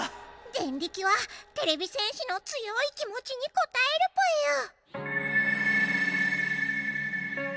デンリキはてれび戦士の強い気もちにこたえるぽよ。